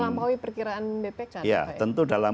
bukan melampaui perkiraan bpk iya tentu dalam